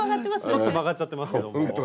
ちょっと曲がっちゃってますけども。